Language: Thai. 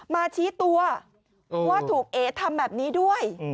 มาชี้ตัวว่าถูกเอ๋ทำแบบนี้ด้วย